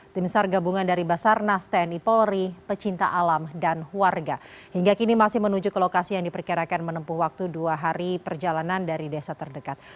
tim sar gabungan dari basarnas tni polri pecinta alam dan warga hingga kini masih menuju ke lokasi yang diperkirakan menempuh waktu dua hari perjalanan dari desa terdekat